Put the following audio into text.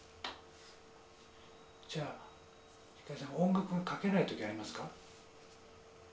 じゃあ光さん音楽が書けない時ありますか？